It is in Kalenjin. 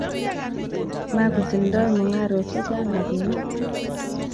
Mako tindo mungarok che chang rapinik